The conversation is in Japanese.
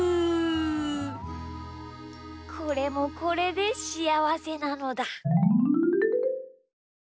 これもこれでしあわせなのだ。